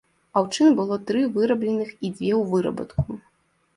Аўчын было тры вырабленых і дзве ў вырабатку.